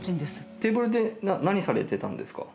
テーブルで何されてたんですか？